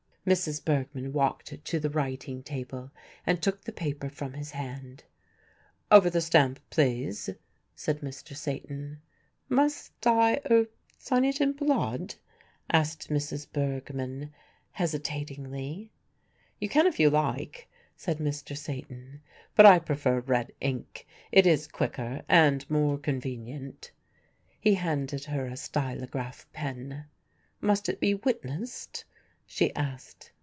Mrs. Bergmann walked to the writing table and took the paper from his hand. "Over the stamp, please," said Mr. Satan. "Must I er sign it in blood?" asked Mrs. Bergmann, hesitatingly. "You can if you like," said Mr. Satan, "but I prefer red ink; it is quicker and more convenient." He handed her a stylograph pen. "Must it be witnessed?" she asked.